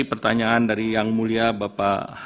pertanyaan dari yang mulia bapak